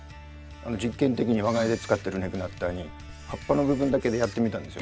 実験的に我が家で使っているネグナッターに葉っぱの部分だけでやってみたんですよ。